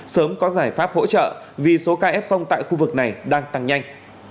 sớm có giải pháp hỗ trợ vì số ca f tại khu vực này đang tăng nhanh